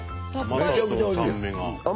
めちゃくちゃおいしい。